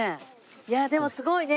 いやでもすごいね